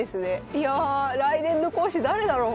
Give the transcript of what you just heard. いや来年の講師誰だろう？